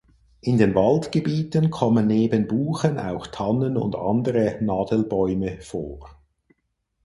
In den Waldgebieten kommen neben Buchen auch Tannen und andere Nadelbäume vor.